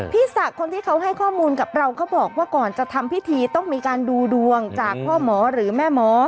พี่ศักดิ์คนที่เขาให้ข้อมูลกับเราก็บอกว่าก่อนจะทำพิธีต้องมีการดูดวงจากพ่อหมอหรือแม่หมอ